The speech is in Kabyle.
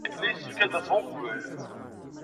Yella yessefk ad d-aseɣ uqbel.